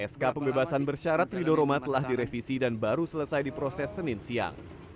sk pembebasan bersyarat rido roma telah direvisi dan baru selesai diproses senin siang